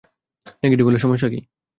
Negative হলে সমস্যা কী?